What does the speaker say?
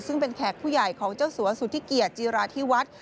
ซึ่งเป็นแขกผู้ใหญ่ของเจ้าสัวสุธิเกียราธิวัฒน์